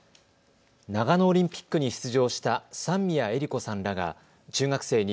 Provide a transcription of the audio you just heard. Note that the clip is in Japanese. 長野オリンピックに出場した三宮恵利子さんらが中学生に